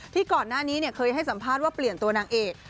ก่อนหน้านี้เคยให้สัมภาษณ์ว่าเปลี่ยนตัวนางเอก